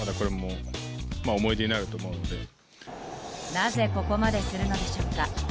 なぜ、ここまでするのでしょうか？